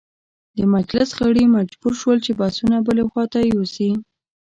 د مجلس غړي مجبور شول چې بحثونه بلې خواته یوسي.